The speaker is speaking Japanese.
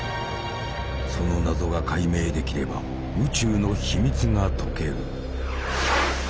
その謎が解明できれば宇宙の秘密が解ける。